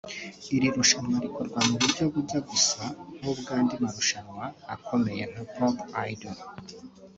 Iri rushanwa rikorwa mu buryo bujya gusa nk’ubw’andi marushanwa akomeye nka Pop Idol